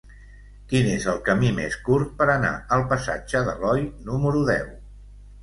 Quin és el camí més curt per anar al passatge d'Aloi número deu?